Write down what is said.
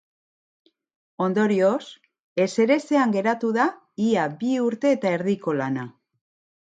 Ondorioz, ezerezean geratu da ia bi urte eta erdiko lana.